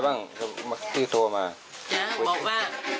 ต้องเอาไว้ก่อนเลยนะ